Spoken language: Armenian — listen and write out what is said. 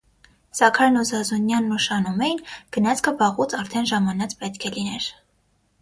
Զաքարն ու Զազունյանն ուշանում էին, գնացքը վաղուց արդեն ժամանած պետք է լիներ: